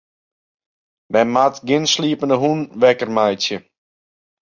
Men moat gjin sliepende hûnen wekker meitsje.